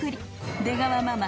［出川ママ。